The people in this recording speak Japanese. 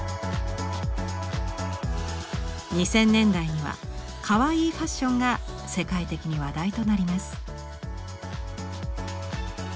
２０００年代には「Ｋａｗａｉｉ」ファッションが世界的に話題となります。